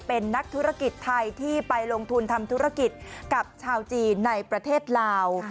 เป็นนักธุรกิจไทยที่ไปลงทุนทำธุรกิจกับชาวจีนในประเทศลาว